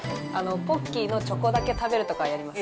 ポッキーのチョコだけ食べるとかやります。